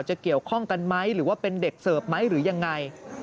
จะเกี่ยวข้องกันไหมหรือว่าเป็นเด็กเสิร์ฟไหมหรือยังไง